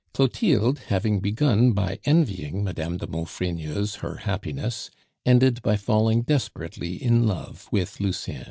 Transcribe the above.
Clotilde, having begun by envying Madame de Maufrigneuse her happiness, ended by falling desperately in love with Lucien.